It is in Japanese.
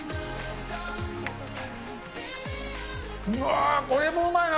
うわー、これもうまいな。